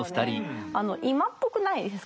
今っぽくないですか。